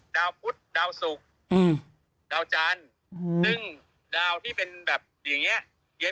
ดาวพุทธดาวสุกดาวจันทร์ซึ่งดาวที่เป็นแบบอย่างนี้